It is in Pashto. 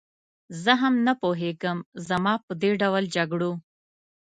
زه هم نه پوهېږم، زما په دې ډول جګړو.